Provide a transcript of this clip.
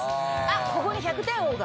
ここに１００点王が。